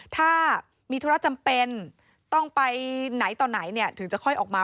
ถ้ามีธุรจำเป็นต้องไปไหนต่อไหนถึงจะค่อยออกมา